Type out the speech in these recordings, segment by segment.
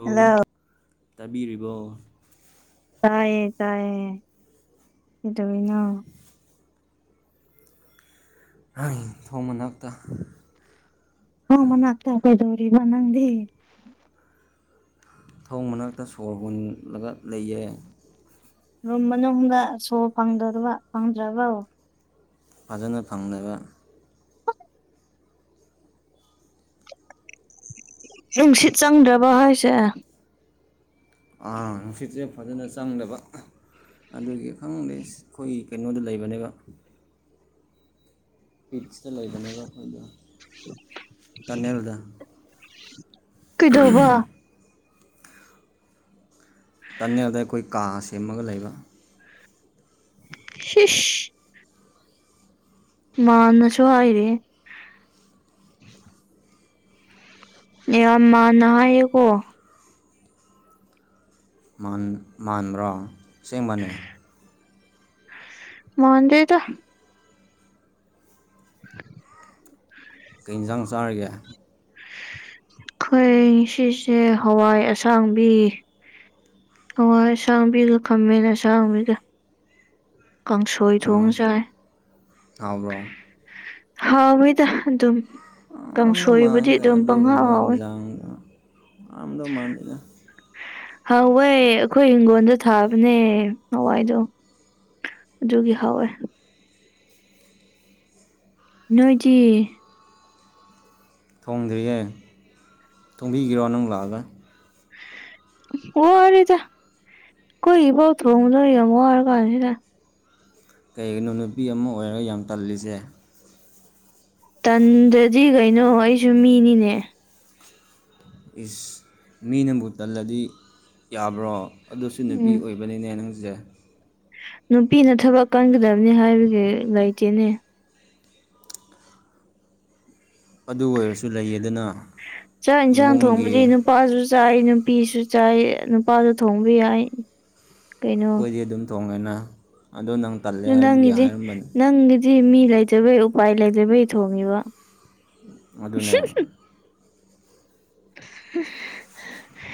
ꯑꯣ ꯍꯜꯂꯣ ꯇꯥꯕꯤꯔꯤꯕꯣ ꯇꯥꯌꯦ ꯇꯥꯏꯌꯦ ꯀꯩꯗꯧꯔꯤꯅꯣ ꯊꯣꯡ ꯃꯅꯥꯛꯇꯥ ꯊꯣꯡ ꯃꯅꯥꯛꯇꯥ ꯀꯩꯗꯧꯔꯤꯕ ꯅꯪꯗꯤ ꯊꯣꯡ ꯃꯅꯥꯛꯇꯥ ꯁꯣꯔ ꯍꯣꯜꯂꯒ ꯂꯩꯌꯦ ꯔꯨꯝ ꯃꯅꯨꯡꯗ ꯁꯣ ꯐꯪꯗꯥꯔꯕ ꯐꯪꯗ꯭ꯔꯕꯣ ꯐꯖꯅ ꯐꯪꯗꯕ ꯅꯨꯡꯁꯤꯠ ꯆꯪꯗ꯭ꯔꯕ ꯍꯥꯏꯁꯦ ꯑꯥ ꯅꯨꯡꯁꯤꯠꯁꯦ ꯐꯖꯅ ꯆꯪꯗꯕ ꯑꯗꯨꯒꯤ ꯈꯪꯗꯦ ꯑꯩꯈꯣꯏ ꯀꯩꯅꯣꯗ ꯂꯩꯕꯅꯦꯕ ꯄꯤꯠꯁꯇꯥ ꯂꯩꯕꯅꯦꯅꯕ ꯑꯩꯈꯣꯏꯗ ꯇꯅꯦꯜꯗ ꯀꯩꯗꯧꯕ ꯇꯅꯤꯗ ꯑꯈꯣꯏ ꯀꯥꯁ ꯁꯦꯝꯃꯒ ꯂꯩꯕ ꯁꯤꯁ ꯃꯥꯟꯅꯁꯨ ꯍꯥꯏꯔꯤꯍꯦ [inaudible] ꯌꯥꯝ ꯃꯥꯟꯅ ꯍꯥꯏꯌꯦꯀꯣ ꯃꯥꯟ ꯃꯥꯟꯕ꯭ꯔꯣ ꯑꯁꯦꯡꯕꯅꯦ ꯃꯟꯗꯦꯗꯥ ꯀꯩꯟꯖꯥꯡ ꯆꯥꯔꯒꯦ ꯑꯈꯣꯏ ꯁꯤꯁꯦ ꯍꯋꯥꯏ ꯑꯁꯥꯡꯕꯤ ꯍꯋꯥꯏ ꯑꯁꯥꯡꯕꯤꯒ ꯈꯝꯃꯦꯟ ꯑꯁꯥꯡꯕꯤꯒ ꯀꯥꯡꯁꯣꯏ ꯑꯥ ꯊꯣꯡꯉꯥ ꯆꯥꯏ ꯍꯥꯎꯕ꯭ꯔꯣ ꯍꯥꯎꯋꯦꯗ ꯑꯗꯨꯝ ꯀꯥꯡꯁꯣꯏꯕꯨꯗꯤ [unintelligible] ꯑꯗꯨꯝ ꯄꯪꯍꯥꯎ ꯑꯗꯨꯒꯨꯝꯕ ꯍꯥꯎꯋꯦ ꯏꯟꯖꯥꯡ [unintelligible] ꯃꯥꯟꯗꯦꯗ ꯍꯥꯎꯋꯦ ꯑꯈꯣꯏ ꯍꯤꯡꯒꯣꯜꯗ ꯊꯥꯕꯅꯦ ꯍꯋꯥꯏꯗꯣ ꯑꯗꯨꯒꯤ ꯍꯥꯎꯋꯦ ꯅꯣꯏꯗꯤ ꯊꯣꯡꯗ꯭ꯔꯤꯌꯦ ꯊꯣꯡꯕꯤꯒꯦꯔꯣ ꯅꯪ ꯂꯥꯛꯑꯒ ꯋꯥꯔꯦꯗ ꯑꯈꯣꯏ ꯒꯤꯐꯥꯎ ꯊꯣꯡꯕꯗꯣ ꯌꯥꯝ ꯋꯥꯔꯀꯥꯟꯁꯤꯗ ꯀꯩꯒꯤꯅꯣ ꯅꯨꯄꯤ ꯑꯃ ꯑꯣꯏꯔꯒ ꯌꯥꯝ ꯇꯜꯂꯤꯁꯦ ꯇꯟꯗꯥꯗꯤ ꯀꯩꯅꯣ ꯑꯩꯁꯨ ꯃꯤꯅꯤꯅꯦ ꯏꯁ ꯃꯤꯅꯕꯨ ꯇꯜꯂꯗꯤ ꯌꯥꯕ꯭ꯔꯣ ꯑꯗꯨꯁꯨ ꯅꯨꯄꯤ ꯎꯝ ꯑꯣꯏꯕꯅꯤꯅꯦ ꯅꯪꯖꯦ ꯅꯨꯄꯤꯅ ꯊꯕꯛ ꯀꯟꯒꯗꯕꯅꯤ ꯍꯥꯏꯕꯒꯤ ꯂꯩꯇꯦꯅꯦ ꯑꯗꯨ ꯑꯣꯏꯔꯁꯨ ꯂꯩꯌꯦꯗꯅ ꯆꯥꯛ ꯏꯟꯁꯥꯡ ꯊꯣꯡꯕꯗꯤ ꯏꯃꯨꯡꯒꯤ ꯅꯨꯄꯥꯁꯨ ꯆꯥꯏ ꯅꯨꯄꯤꯁꯨ ꯆꯥꯏ ꯅꯨꯄꯥꯖꯨ ꯊꯣꯡꯕ ꯌꯥꯏ ꯀꯩꯅꯣ ꯑꯩꯈꯣꯏꯗꯤ ꯑꯗꯨꯝ ꯊꯣꯡꯉꯦꯅ ꯑꯗꯣ ꯅꯪ ꯇꯜꯂꯦ ꯍꯥꯏꯕꯒꯤ ꯅꯪꯒꯤꯗꯤ ꯍꯥꯏꯔꯝꯕꯅꯤ ꯅꯪꯒꯤꯗꯤ ꯃꯤ ꯂꯩꯇꯕꯩ ꯎꯄꯥꯏ ꯂꯩꯇꯕꯩ ꯊꯣꯡꯉꯤꯕ ꯑꯗꯨꯅꯦ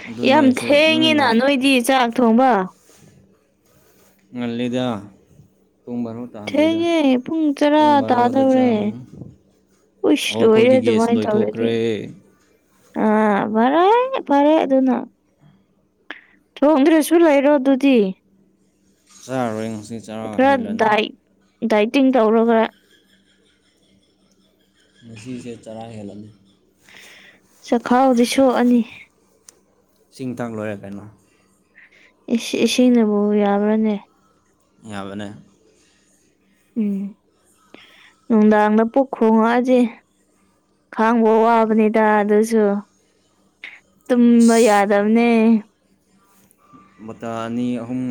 ꯑꯗꯨ ꯌꯥꯝ ꯅꯣꯏꯁꯨ ꯊꯦꯡꯉꯤꯅ ꯅꯣꯏꯅ ꯅꯣꯏꯗꯤ ꯆꯥꯛ ꯊꯣꯡꯕ ꯉꯟꯂꯦꯗꯥ ꯄꯨꯡ ꯕꯥꯔꯣ ꯇꯥꯗ꯭ꯔꯤꯗ ꯊꯦꯡꯉꯦ ꯄꯨꯡ ꯇꯔꯥ ꯕꯥꯔꯣꯗ ꯇꯥꯗꯧꯔꯦ ꯆꯥꯕꯅꯤ ꯎꯁ ꯑꯣ ꯂꯣꯏꯔꯦ ꯑꯩꯈꯣꯏꯒꯤ ꯒ꯭ꯌꯥꯁ ꯑꯗꯨꯃꯥꯏꯅ ꯇꯧꯔꯗꯤ ꯂꯣꯏꯊꯣꯛꯈ꯭ꯔꯦ ꯑ ꯐꯔ ꯐꯔꯦ ꯑꯗꯨꯅ ꯊꯣꯡꯗ꯭ꯔꯦꯁꯨ ꯂꯩꯔꯣ ꯑꯗꯨꯗꯤ ꯆꯔꯔꯣ ꯉꯁꯤ ꯆꯔꯥ ꯈꯔ ꯍꯦꯜꯂꯅꯤ ꯗꯥꯏ ꯗꯥꯏꯇꯤꯡ ꯇꯧꯔꯒ ꯉꯁꯤꯁꯦ ꯆꯔꯥ ꯍꯦꯜꯂꯅꯤ ꯆꯈꯥꯎꯗꯤ ꯁꯣꯛꯑꯅꯤ ꯆꯤꯡ ꯇꯥꯡ ꯂꯣꯏꯔꯦ ꯀꯩꯅꯣ ꯏꯁ ꯏꯁꯤꯡꯅꯕꯨ ꯌꯥꯕ꯭ꯔꯅꯦ ꯌꯥꯕꯅꯦ ꯎꯝ ꯅꯨꯡꯗꯥꯡꯗ ꯄꯨꯛ ꯈꯣꯡꯉꯛꯑꯗꯤ ꯈꯥꯡꯕ ꯋꯥꯕꯅꯤꯗ ꯑꯗꯨꯁꯨ ꯇꯨꯝꯕ ꯌꯥꯗꯕꯅꯦ ꯕꯣꯇꯥ ꯑꯅꯤ ꯑꯍꯨꯝ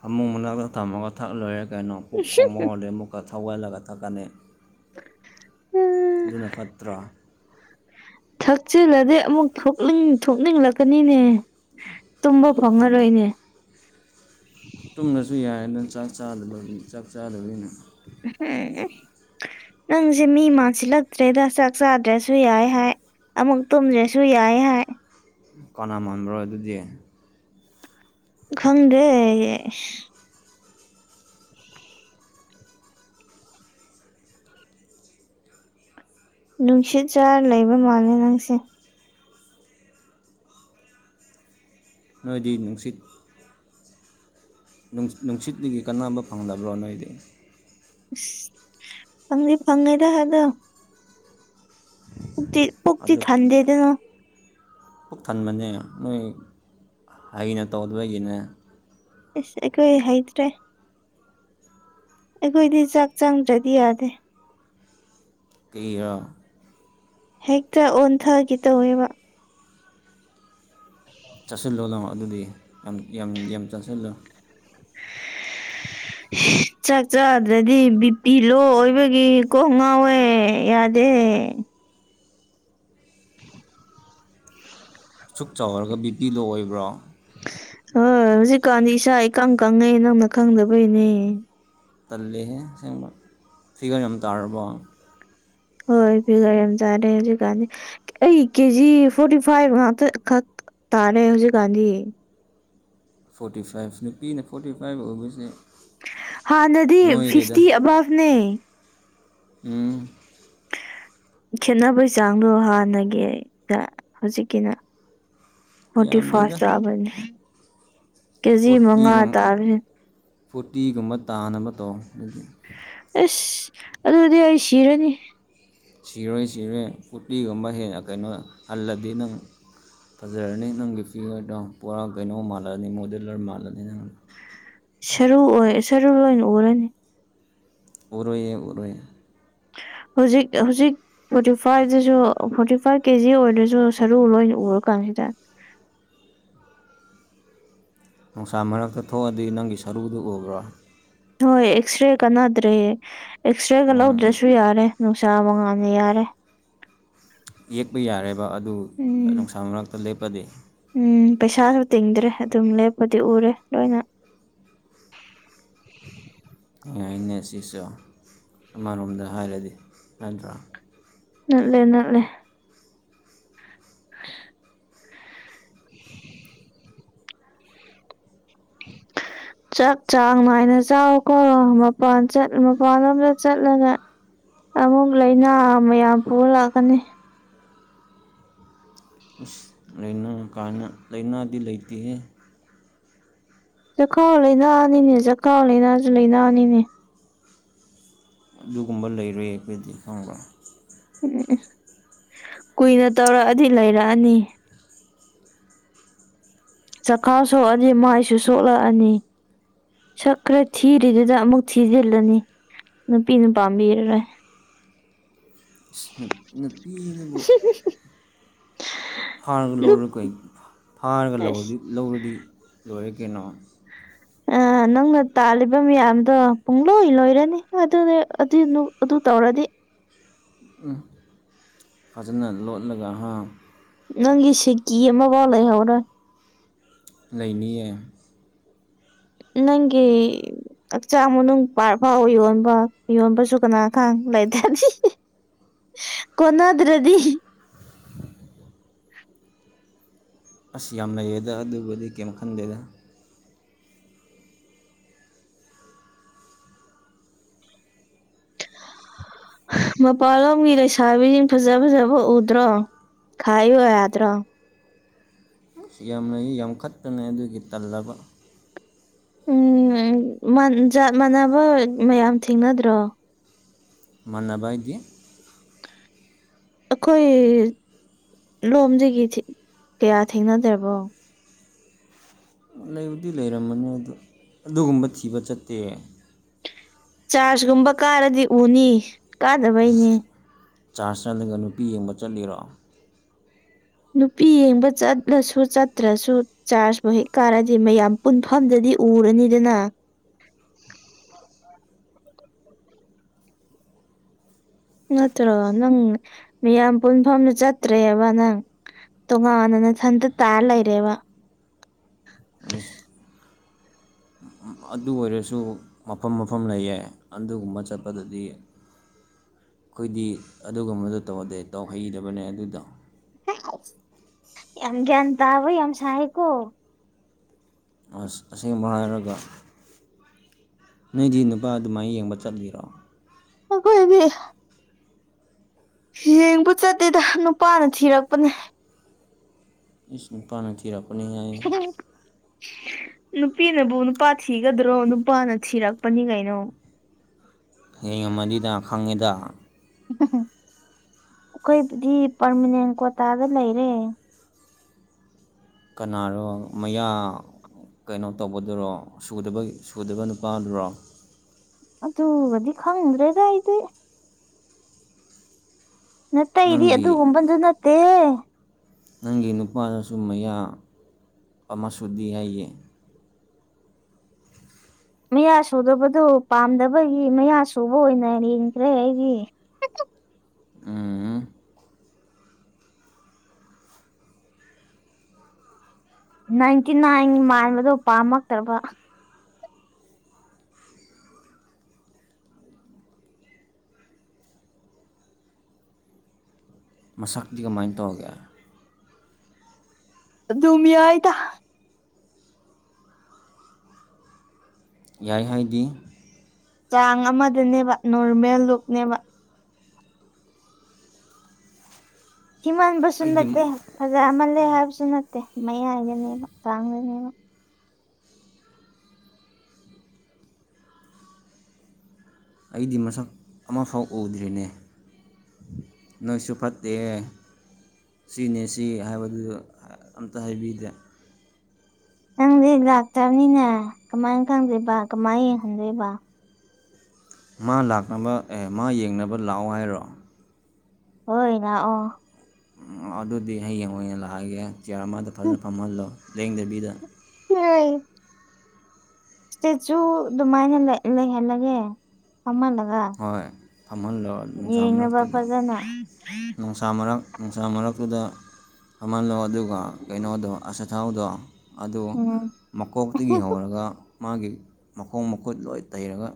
ꯐꯃꯨꯛ ꯃꯅꯥꯛꯇ ꯊꯝꯃꯒ ꯊꯛꯂꯣꯏꯔꯦ ꯀꯩꯅꯣ ꯄꯨꯛ ꯈꯣꯡꯕ ꯍꯩꯔꯗꯤ ꯑꯃꯨꯛꯀ ꯊꯒꯠꯂꯒ ꯊꯛꯀꯅꯤ [inaudible] ꯑꯗꯨꯅ ꯐꯠꯇ꯭ꯔꯥ ꯊꯛꯆꯤꯜꯂꯗꯤ ꯑꯃꯨꯛ ꯊꯣꯛꯅꯤꯡ ꯊꯣꯛꯅꯤꯡꯂꯛꯀꯅꯤꯅꯦ ꯇꯨꯝꯕ ꯐꯪꯉꯔꯣꯏꯅꯦ ꯇꯨꯝꯗꯔꯁꯨ ꯌꯥꯏ ꯑꯗꯨꯅ ꯆꯥꯛ ꯆꯥꯗꯕꯒꯤ ꯆꯥꯛ ꯆꯥꯗꯕꯅꯤꯅ [unintelligible] ꯅꯪꯁꯦ ꯃꯤ ꯃꯥꯟꯁꯤꯜꯂꯛꯇ꯭ꯔꯦꯗ ꯆꯥꯛ ꯆꯥꯗ꯭ꯔꯁꯨ ꯌꯥꯏ ꯍꯥꯏ ꯑꯃꯨꯛ ꯇꯨꯝꯗ꯭ꯔꯁꯨ ꯌꯥꯏ ꯍꯥꯏ ꯀꯅꯥꯃꯕ꯭ꯔꯣ ꯑꯗꯨꯗꯤ ꯈꯪꯗꯦ ꯅꯨꯡꯁꯤꯠ ꯆꯥꯔ ꯂꯩꯕ ꯃꯥꯜꯂꯦ ꯅꯪꯁꯦ ꯅꯣꯏꯗꯤ ꯅꯨꯡꯁꯤꯠ ꯅꯨꯡꯁꯤꯠꯒꯤ ꯀꯅꯥꯝꯕ ꯐꯪꯂꯗꯕ꯭ꯔꯣ ꯅꯣꯏꯗꯤ ꯐꯪꯗꯤ ꯐꯪꯉꯩꯗ ꯍꯥꯏꯗꯣ ꯄꯨꯛꯇꯤ ꯄꯨꯛꯇꯛꯇꯤ ꯑꯗꯨ ꯊꯥꯟꯗꯦꯗꯅ ꯄꯨꯛ ꯊꯟꯕꯅꯦ ꯅꯣꯏ ꯍꯩꯅ ꯇꯧꯗꯕꯒꯤꯅꯦ ꯏꯁ ꯑꯩꯈꯣꯏ ꯍꯩꯇ꯭ꯔꯦ ꯑꯩꯈꯣꯏꯗꯤ ꯆꯥꯛ ꯆꯪꯇ‍ꯔꯗꯤ ꯌꯥꯗꯦ ꯀꯩꯔꯥ ꯍꯦꯛꯇ ꯑꯣꯟꯊꯒꯦ ꯇꯧꯋꯦꯕ ꯆꯥꯁꯤꯜꯂꯣ ꯂꯥꯎ ꯑꯗꯨꯗꯤ ꯌꯥꯝ ꯌꯥꯝ ꯌꯥꯝ ꯆꯥꯁꯤꯜꯂꯣ [unintelligible] ꯆꯥꯛ ꯆꯥꯗ꯭ꯔꯗꯤ ꯕꯤꯄꯤ ꯂꯣ ꯑꯣꯏꯕꯒꯤ ꯀꯣ ꯉꯥꯎꯋꯦ ꯌꯥꯗꯦ ꯁꯨꯛ ꯆꯥꯎꯔꯒ ꯕꯤꯄꯤ ꯗꯡꯂꯣ ꯑꯣꯏꯕ꯭ꯔꯣ ꯍꯣꯏ ꯍꯧꯖꯤꯛꯀꯥꯟꯗꯤ ꯏꯁꯥ ꯏꯀꯪ ꯀꯪꯉꯩ ꯅꯪꯅ ꯈꯪꯗꯕꯩꯅꯦ ꯇꯜꯂꯦꯍꯦ ꯑꯁꯦꯡꯕ ꯐꯤꯒꯔ ꯌꯥꯝ ꯇꯥꯔꯕꯣ ꯍꯣꯏ ꯐꯤꯒꯔ ꯌꯥꯝ ꯆꯥꯔꯦ ꯍꯧꯖꯤꯛꯀꯥꯟꯗꯤ ꯑꯩ ꯀꯦꯖꯤ ꯐꯣꯔꯇꯤ ꯐꯥꯏꯚ ꯉꯥꯛꯇ ꯈꯛ ꯇꯥꯔꯦ ꯍꯧꯖꯤꯛꯀꯥꯟꯗꯤ ꯐꯣꯔꯇꯤ ꯐꯥꯏꯚ ꯅꯨꯄꯤꯅ ꯐꯣꯔꯇꯤ ꯐꯥꯏꯚ ꯑꯣꯏꯕꯁꯦ ꯍꯥꯟꯅꯗꯤ ꯅꯣꯏꯔꯦꯗ ꯐꯤꯐꯇꯤ ꯑꯕꯥꯞꯅꯦ ꯎꯝ ꯈꯦꯠꯅꯕꯩ ꯆꯥꯡꯗꯣ ꯍꯥꯟꯅꯒꯤꯒ ꯍꯧꯖꯤꯛꯀꯤꯅ ꯐꯣꯔꯇꯤ ꯌꯥꯝꯗꯦꯗ ꯐꯥꯁꯇꯥꯕꯅꯤ ꯐꯣꯔꯇꯤꯒꯨꯝ ꯇꯥꯕꯅꯤ ꯐꯣꯔꯇꯤꯒꯨꯝꯕ ꯇꯥꯅꯕ ꯇꯧ ꯑꯗꯨꯗꯤ ꯑꯦꯁ ꯑꯗꯨꯗꯤ ꯑꯩ ꯁꯤꯔꯅꯤ ꯁꯤꯔꯣꯏ ꯁꯤꯔꯣꯏ ꯐꯣꯔꯇꯤꯒꯨꯝꯕ ꯍꯦ ꯀꯩꯅꯣ ꯍꯜꯂꯗꯤ ꯅꯪ ꯐꯖꯔꯅꯤ ꯅꯪꯒꯤ ꯐꯤꯒꯔꯗꯣ ꯄꯨꯔꯥ ꯀꯩꯅꯣ ꯃꯥꯜꯂꯅꯤ ꯃꯣꯗꯂꯔ ꯃꯥꯜꯂꯅꯤ ꯅꯪ ꯁꯥꯔꯨ ꯑꯣꯏ ꯁꯥꯔꯨ ꯂꯣꯏꯅ ꯑꯣꯜꯂꯅꯤ ꯎꯔꯣꯏꯌꯦ ꯎꯔꯣꯏꯌꯦ ꯍꯧꯖꯤꯛ ꯍꯧꯖꯤꯛ ꯐꯣꯔꯇꯤ ꯐꯥꯏꯚꯇꯥꯁꯨ ꯐꯣꯔꯇꯤ ꯐꯥꯏꯚ ꯀꯦꯖꯤ ꯑꯣꯏꯔꯁꯨ ꯁꯥꯔꯨ ꯂꯣꯏꯅ ꯎꯔꯀꯥꯟꯁꯤꯗ ꯅꯨꯡꯁꯥ ꯃꯔꯛꯇꯥ ꯊꯣꯛꯑꯗꯤ ꯅꯪꯒꯤ ꯁꯔꯨꯗꯨ ꯎꯕ꯭ꯔꯣ ꯍꯣꯏ ꯑꯦꯛꯁꯔꯦ ꯀꯥꯟꯅꯗ꯭ꯔꯦ ꯑꯦꯛꯁꯔꯦꯒ ꯎꯝ ꯂꯧꯗ꯭ꯔꯁꯨ ꯌꯥꯔꯦ ꯅꯨꯡꯁꯥ ꯃꯉꯥꯟꯅ ꯌꯥꯔꯦ ꯌꯦꯛꯄ ꯌꯥꯔꯦꯕ ꯑꯗꯨ ꯎꯝ ꯅꯨꯡꯁꯥ ꯃꯔꯛꯇꯥ ꯂꯦꯞꯄꯗꯤ ꯎꯝ ꯄꯩꯁꯥꯁꯨ ꯇꯤꯡꯗ꯭ꯔꯦ ꯑꯗꯨꯝ ꯂꯦꯞꯄꯗꯤ ꯎꯔꯦ ꯂꯣꯏꯅ ꯌꯥꯏꯅꯦ ꯁꯤꯁꯨ ꯑꯃꯔꯣꯝꯗ ꯍꯥꯏꯔꯗꯤ ꯅꯗ꯭ꯔꯥ ꯅꯠꯂꯦ ꯅꯠꯂꯦ [inaudible] [inaudible] [unintelligible] ꯆꯥꯛ ꯆꯥꯡ ꯅꯥꯏꯅ ꯆꯥꯎꯀꯣ ꯃꯄꯥꯟ ꯆꯠ ꯃꯄꯥꯟꯂꯣꯝꯗ ꯆꯠꯂꯒ ꯑꯃꯨꯛ ꯂꯥꯏꯅꯥ ꯃꯌꯥꯝ ꯄꯨꯔꯥ ꯂꯥꯛꯀꯅꯤ ꯏꯁ ꯂꯩꯅꯥ ꯀꯥꯏꯅ ꯂꯥꯏꯅꯥꯗꯤ ꯂꯩꯇꯦꯍ‌ꯦ ꯆꯈꯥꯎ ꯂꯩꯅꯥ ꯅꯤꯅꯦ ꯆꯈꯥꯎ ꯂꯩꯅꯥꯁꯨ ꯂꯩꯥꯏꯅꯥꯅꯤꯅꯦ ꯑꯗꯨꯒꯨꯝꯕ ꯂꯩꯔꯣꯏ ꯑꯩꯈꯣꯏꯗꯤ ꯈꯪꯕ꯭ꯔꯥ ꯎꯝ ꯀꯨꯏꯅ ꯇꯧꯔꯛꯑꯗꯤ ꯂꯩꯔꯛꯑꯅꯤ ꯆꯈꯥꯎ ꯁꯣꯛꯑꯗꯤ ꯃꯥꯏꯁꯨ ꯁꯣꯛꯂꯛꯑꯅꯤ ꯁꯛ ꯈꯔ ꯊꯤꯔꯤꯗꯨꯗ ꯑꯃꯨꯛ ꯊꯤꯖꯤꯜꯂꯅꯤ ꯅꯨꯄꯤꯅ ꯄꯥꯝꯕꯤꯔꯔꯣꯏ ꯅꯨ ꯅꯨꯄꯤꯗꯨꯕꯨ ꯐꯥꯔꯒ ꯅꯨꯞ ꯂꯧꯔ ꯀꯩ ꯐꯥꯔꯒ ꯑꯁ ꯂꯧꯔꯗꯤ ꯂꯧꯔꯗꯤ ꯂꯣꯏꯔꯦ ꯀꯩꯅꯣ ꯑꯥ ꯅꯪ ꯅ ꯇꯥꯜꯂꯤꯕ ꯃꯌꯥꯝꯗꯣ ꯄꯨꯡꯂꯣꯏ ꯂꯣꯏꯔꯅꯤ ꯑꯗꯨꯗꯤ ꯑꯗꯨ ꯑꯗꯨ ꯇꯧꯔꯗꯤ ꯎꯝ ꯐꯖꯅ ꯂꯣꯠꯂꯒ ꯍꯥ ꯅꯪꯒꯤ ꯁꯤꯀꯤ ꯑꯃꯕꯥꯎ ꯂꯩꯍꯧꯔ‌ꯣꯏ ꯂꯩꯅꯤꯌꯦ ꯅꯪꯒꯤ ꯍꯛꯆꯥꯡ ꯃꯅꯨꯡ ꯄꯥꯔꯠ ꯐꯥꯎ ꯌꯣꯟꯕ ꯌꯣꯟꯕꯁꯨ ꯀꯅꯥ ꯈꯥꯡ ꯂꯩꯇꯗꯤ ꯀꯣꯅꯗ꯭ꯔꯥꯗꯤ ꯑꯁ ꯌꯥꯝ ꯂꯩꯌꯦꯗ ꯑꯗꯨꯕꯨꯗꯤ ꯀꯩꯝ ꯈꯟꯗꯦꯗ ꯃꯄꯥꯟꯂꯣꯝꯒꯤ ꯂꯩꯁꯥꯕꯤꯁꯤꯡ ꯐꯖ ꯐꯖꯕ ꯎꯗ꯭ꯔꯣ ꯈꯥꯏꯌꯨ ꯌꯥꯗ꯭ꯔꯣ꯫ ꯏꯁ ꯌꯥꯝ ꯂꯩ ꯌꯥꯝ ꯈꯠꯄꯅ‌ꯦ ꯑꯗꯨꯒꯤ ꯇꯜꯂꯕ꯫ ꯎꯝ ꯃꯟ ꯖꯥꯠ ꯃꯥꯟꯅꯕ ꯃꯌꯥꯝ ꯊꯦꯡꯅꯗ꯭ꯔꯣ꯫ ꯃꯥꯟꯅꯕ ꯍꯥꯏꯗꯤ꯫ ꯑꯩꯈꯣꯏ ꯂꯣꯝꯖꯤꯒꯤ ꯊꯤ ꯀꯌꯥ ꯊꯦꯡꯅꯗ꯭ꯔꯕꯣ꯫ ꯂꯩꯕꯨꯗꯤ ꯂꯩꯔꯝꯒꯅꯤ ꯑꯗꯨ ꯑꯗꯨꯒꯨꯝꯕ ꯊꯤꯕ ꯆꯠꯇꯦ꯫ ꯆꯥꯔꯖꯒꯨꯝꯕ ꯀꯥꯔꯗꯤ ꯎꯅꯤ꯫ ꯀꯥꯗꯕꯩꯅꯦ ꯆꯥꯔꯖ ꯆꯠꯂꯒ ꯅꯨꯄꯤ ꯌꯦꯡꯕ ꯆꯠꯂꯤꯔꯣ꯫ ꯅꯨꯄꯤ ꯌꯦꯡꯕ ꯆꯠꯂꯁꯨ ꯆꯠꯇ꯭ꯔꯁꯨ ꯆꯥꯔꯖꯕꯨ ꯍꯦꯛ ꯀꯥꯔꯗꯤ ꯃꯌꯥꯝ ꯄꯨꯟꯐꯝꯗꯗꯤ ꯎꯔꯅꯤꯗꯅ꯫ ꯅꯠꯇ꯭ꯔꯣ ꯅꯪ ꯃꯤꯌꯥꯝ ꯄꯨꯟꯐꯝꯗ ꯆꯠꯇ꯭ꯔꯦꯕ ꯅꯪ꯫ ꯇꯣꯉꯥꯟꯅ ꯅꯊꯟꯇ ꯇꯥꯔ ꯂꯩꯔꯦꯕ꯫ [unintelligible] ꯑꯗꯨ ꯑꯣꯏꯔꯁꯨ ꯃꯐꯝ ꯃꯐꯝ ꯂꯩꯌꯦ ꯑꯗꯨꯒꯨꯝꯕ ꯆꯠꯄꯗꯗꯤ ꯑꯈꯣꯏꯗꯤ ꯑꯗꯨꯒꯨꯝꯕꯗꯣ ꯇꯧꯗꯦ ꯇꯧꯍꯩꯗꯕꯅꯦ ꯑꯗꯨꯗꯣ꯫ ꯌꯥꯝ ꯒ꯭ꯌꯥꯟ ꯇꯥꯕ ꯌꯥꯝ ꯁꯥꯏ ꯀꯣ꯫ ꯑꯁ ꯑꯁꯦꯡꯕ ꯍꯥꯏꯔꯒ꯫ ꯅꯣꯏꯗꯤ ꯅꯨꯄꯥ ꯑꯗꯨꯃꯥꯏꯅ ꯌꯦꯡꯕ ꯆꯠꯂꯤꯔꯣ꯫ ꯑꯈ‌ꯣꯏꯗꯤ ꯌꯦꯡꯕ ꯆꯠꯇꯦꯗ ꯅꯨꯄꯥꯅ ꯊꯤꯔꯛꯄꯅꯦ꯫ ꯏꯁ ꯅꯨꯄꯥꯅ ꯊꯤꯔꯛ [unintelligible] ꯅꯨꯄꯤꯅꯕꯨ ꯅꯨꯄꯥ ꯊꯤꯒꯗ꯭ꯔꯣ ꯅꯨꯄꯥꯅ ꯊꯤꯔꯛꯄꯅꯤ ꯀꯩꯅꯣ꯫ ꯌ‌ꯦꯡꯉꯝꯃꯅꯤꯗ ꯈꯪꯉꯤꯗ꯫ ꯑꯈꯣꯏꯕꯨꯗꯤ ꯄꯔꯃꯅꯦꯟ ꯀ꯭ꯣꯇꯥꯗ ꯂꯩꯔꯦ꯫ ꯀꯅꯥꯔꯣ ꯃꯌꯥ ꯀꯩꯅꯣ ꯇꯧꯕꯗꯨꯔꯣ ꯁꯨꯗꯕꯩ ꯁꯨꯗꯕ ꯅꯨꯄꯥꯗꯨꯔꯣ꯫ ꯑꯗꯨꯒꯗꯤ ꯈꯪꯗ꯭ꯔꯦꯗ ꯑꯩꯗꯤ꯫ ꯅꯇꯩꯗꯤ ꯅꯪꯒꯤ ꯑꯗꯨꯒꯨꯝꯕꯗꯨ ꯅꯠꯇꯦꯍꯦ꯫ ꯅꯪꯒꯤ ꯅꯨꯄꯥꯅꯁꯨ ꯃꯌꯥ ꯑꯃ ꯁꯨꯨꯗꯤ ꯍꯥꯏꯌꯦ꯫ ꯃꯌꯥ ꯁꯨꯗꯕꯗꯨ ꯄꯥꯝꯗꯕꯒꯤ ꯃꯌꯥ ꯁꯨꯕ ꯑꯣꯏꯅ ꯌꯦꯡꯈ꯭ꯔꯦ ꯑꯩꯗꯤ꯫ ꯎꯝ ꯅꯥꯏꯟꯇꯤ ꯅꯥꯏꯟ ꯃꯥꯟꯕꯗꯣ ꯄꯥꯝꯃꯛꯇ꯭ꯔꯕ꯫ ꯃꯁꯛꯇꯤ ꯀꯃꯥꯏꯅ ꯇꯧꯒꯦ꯫ ꯑꯗꯨꯝ ꯌꯥꯏꯗ꯫ ꯌꯥꯏ ꯍꯥꯏꯗꯤ꯫ ꯆꯥꯡ ꯑꯃꯗꯅꯦꯕ ꯅꯣꯔꯃꯦꯜ ꯂꯨꯛꯅꯦꯕ꯫ ꯊꯤꯃꯟꯕꯁꯨ ꯑꯩꯗꯤ ꯅꯠꯇꯦ ꯐꯖꯃꯜꯂꯦ ꯍꯥꯏꯕꯁꯨ ꯅꯠꯇꯦ ꯃꯌꯥꯏꯗꯅꯦꯕ ꯆꯥꯡꯗꯅꯦꯕ꯫ ꯑꯩꯗꯤ ꯃꯁꯛ ꯑꯃꯐꯥꯎ ꯎꯗ꯭ꯔꯤꯅꯦ꯫ ꯅꯣꯏꯁꯨ ꯐꯠꯇꯦ꯫ ꯁꯤꯅꯦ ꯁꯤ ꯍꯥꯏꯕꯗꯨꯒ ꯑꯝꯇ ꯍꯥꯏꯕꯤꯗꯦ꯫ ꯅꯪꯗꯤ ꯂꯥꯛꯇꯕꯅꯤꯅ ꯀꯃꯥꯏꯅ ꯈꯪꯗꯨꯏꯕ ꯀꯃꯥꯏꯅ ꯌꯦꯡꯍꯟꯗꯨꯏꯕ꯫ ꯃꯥ ꯂꯥꯛꯅꯕ ꯑꯦ ꯃꯥ ꯌꯦꯡꯅꯕ ꯂꯥꯛꯑꯣ ꯍꯥꯏꯔꯣ꯫ ꯍꯣꯏ ꯂꯥꯛꯑꯣ꯫ ꯑꯗꯨꯗꯤ ꯍꯌꯦꯡ ꯑꯣꯏꯅ ꯂꯥꯛꯑꯒꯦ ꯆꯤꯌꯥꯔ ꯑꯃꯗ ꯐꯖꯅ ꯐꯝꯍꯜꯂꯣ ꯂꯦꯡꯗꯕꯤꯗ꯫ ꯌꯥꯏ꯫ ꯏꯁꯇꯦꯆꯨ ꯑꯗꯨꯃꯥꯏꯅ ꯂꯩ ꯂꯩꯍꯜꯂꯒꯦ ꯐꯝꯍꯜꯂꯒ ꯍꯣꯏ ꯐꯝꯍꯜꯂꯣ ꯅꯨꯡꯁꯥ ꯌꯦꯡꯅꯕ ꯃꯔꯛꯇꯨꯗ ꯐꯖꯅ ꯅꯨꯡ ꯁꯥ ꯃꯔꯛ ꯅꯨꯡꯁꯥ ꯃꯔꯛꯇꯨꯗ ꯐꯝꯍꯜꯂꯣ ꯑꯗꯨꯒ ꯀꯩꯅꯣꯗꯣ ꯑꯆꯥꯊꯥꯎꯗꯣ ꯑꯗꯨ ꯎꯝ ꯃꯀꯣꯛꯇꯒꯤ ꯍꯧꯔꯒ ꯃꯥꯒꯤ ꯃꯈꯣꯡ ꯃꯈꯨꯠ ꯂꯣꯏ ꯇꯩꯔꯒ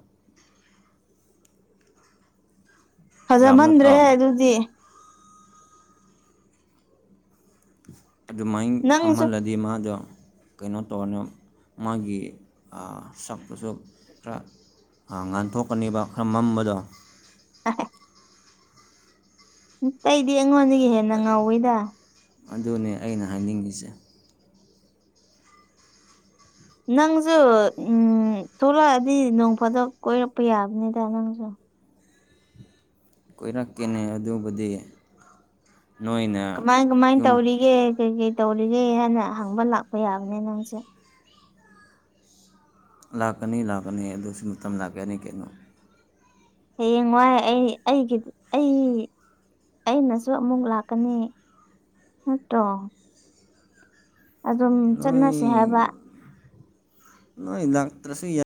ꯌꯥꯕ ꯅꯠꯇ꯭ꯔꯣ ꯐꯖꯃꯟꯗ꯭ꯔꯦꯍꯦ ꯑꯗꯨꯗꯤ ꯑꯗꯨꯃꯥꯏ ꯅꯪꯁꯨ ꯐꯃꯜꯂꯗꯤ ꯃꯥꯗꯣ ꯀꯩꯅꯣ ꯇꯧꯔꯅꯤ ꯃꯥꯒꯤ ꯑ ꯁꯛꯇꯨꯁꯨ ꯈꯔ ꯑ ꯉꯥꯟꯊꯣꯛꯀꯅꯤꯕ ꯈꯔ ꯃꯝꯕꯗꯣ [unintelligible] ꯑꯇꯩꯗꯤ ꯑꯩꯉꯣꯟꯗꯒꯤ ꯍꯦꯟꯅ ꯉꯧꯋꯤꯗ ꯑꯗꯨꯅꯦ ꯑꯩꯅ ꯍꯥꯏꯅꯤꯡꯉꯤꯁꯦ ꯅꯪꯖꯨ ꯎꯝ ꯊꯣꯛꯂꯛꯑꯗꯤ ꯅꯣꯡ ꯐꯥꯗꯣꯛ ꯀꯣꯏꯔꯛꯄ ꯌꯥꯕꯅꯤꯗ ꯅꯪꯖꯨ ꯀꯣꯏꯔꯛꯀꯦꯅꯦ ꯑꯗꯨꯕꯨꯗꯤ ꯅꯣꯏꯅ ꯀꯃꯥꯏ ꯀꯃꯥꯏꯅ ꯌꯨꯝ ꯇꯧꯔꯤꯒꯦ ꯀꯩ ꯀꯩ ꯇꯧꯔꯤꯒꯦ ꯍꯥꯏꯅ ꯍꯪꯕ ꯂꯥꯛꯄ ꯌꯥꯕꯅꯦ ꯅꯪꯁꯨ ꯂꯥꯛꯀꯅꯤ ꯂꯥꯛꯀꯅꯤ ꯑꯗꯨꯁꯨ ꯃꯇꯝ ꯂꯥꯛꯀꯅꯤ ꯀꯩꯅꯣ ꯍꯌꯦꯡꯋꯥꯏ ꯑꯩ ꯑꯩꯒꯤꯗꯤ ꯑꯩ ꯑꯩꯅꯁꯨ ꯑꯃꯨꯛ ꯂꯥꯛꯀꯅꯤ ꯅꯠꯇ꯭ꯔꯣ ꯑꯗꯨꯝ ꯅꯣꯏ ꯆꯠꯅꯁꯦ ꯍꯥꯏꯕ ꯅꯣꯏ ꯂꯥꯛꯇ꯭ꯔꯁꯨ ꯌꯥꯏ